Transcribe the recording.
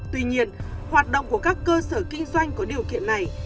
tuy nhiên hoạt động của các cơ sở kinh doanh có điều kiện này